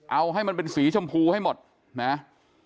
เอาให้มันเป็นสีชมพูให้หมดนะ